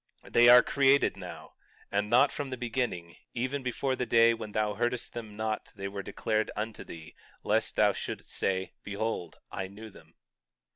20:7 They are created now, and not from the beginning, even before the day when thou heardest them not they were declared unto thee, lest thou shouldst say—Behold I knew them.